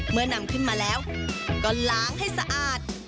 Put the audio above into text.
นำขึ้นมาแล้วก็ล้างให้สะอาด